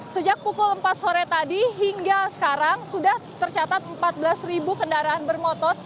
sejak pukul empat sore tadi hingga sekarang sudah tercatat empat belas kendaraan bermotor